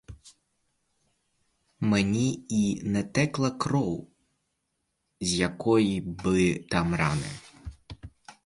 Мені і не текла кров з якої би там рани.